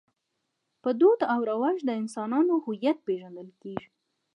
په دود او رواج د انسانانو هویت پېژندل کېږي.